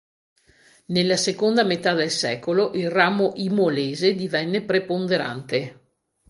Nella seconda metà del secolo il ramo imolese divenne preponderante.